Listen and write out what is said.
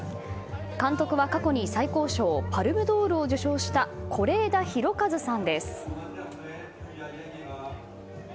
監督は、過去に最高賞パルム・ドールを受賞した是枝裕和監督です。